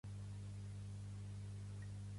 Tenir molta merda a les xancletes dels peus